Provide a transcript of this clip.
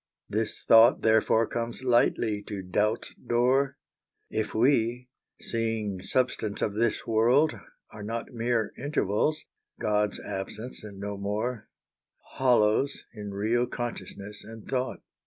This thought therefore comes lightly to Doubt's door— If we, seeing substance of this world, are not Mere Intervals, God's Absence and no more, Hollows in real Consciousness and Thought.